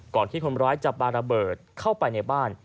ที่คนร้ายจะปลาระเบิดเข้าไปในบ้าน